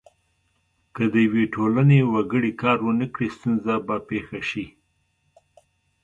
که د یوې ټولنې وګړي کار ونه کړي ستونزه به پیښه شي.